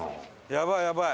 やばいやばい。